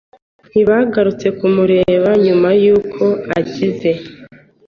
ntibagarutse kumureba nyuma yuko akize